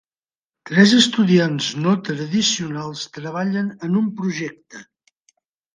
Tres estudiants no tradicionals treballen en un projecte.